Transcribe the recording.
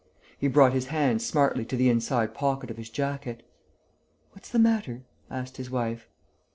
He brought his hand smartly to the inside pocket of his jacket. "What's the matter?" asked his wife.